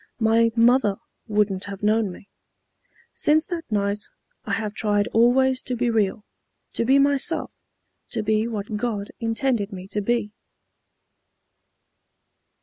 My mother wouldn't have known me. Since that night I have tried always to be real, to be myself, to be what God intended me to be."